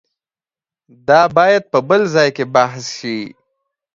دا باید په بل ځای کې بحث شي.